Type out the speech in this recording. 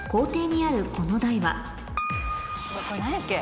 これ何やっけ？